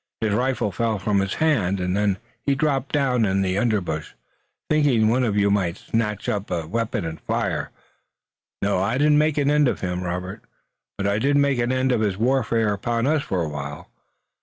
His rifle fell from his hand, and then he dropped down in the underbrush, thinking one of you might snatch up a weapon and fire. No, I didn't make an end of him, Robert, but I did make an end of his warfare upon us for a while.